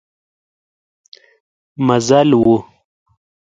مزل و.